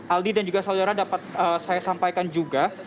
aldi dan juga saudara dapat saya sampaikan juga